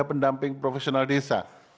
pendamping profesional desa